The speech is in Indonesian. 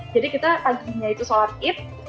jadi kita paginya itu sholat id